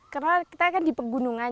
karena kita kan di pegunungan